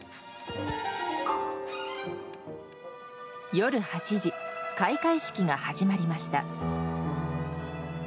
夜８時、開会式が始まりました。